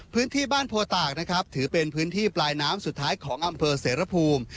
พื้นที่บ้านโพตากนะครับถือเป็นพื้นที่ปลายน้ำสุดท้ายของอำเภอเสรภูมิ